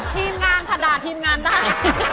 ทีมงานค่ะด่าทีมงานได้